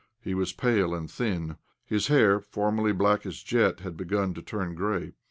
He was pale and thin. His hair, formerly black as jet, had begun to turn grey.